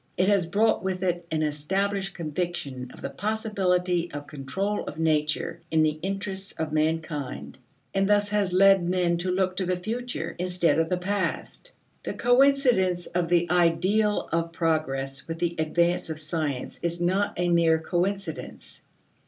It has brought with it an established conviction of the possibility of control of nature in the interests of mankind and thus has led men to look to the future, instead of the past. The coincidence of the ideal of progress with the advance of science is not a mere coincidence.